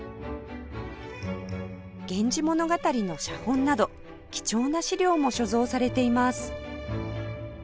『源氏物語』の写本など貴重な資料も所蔵されています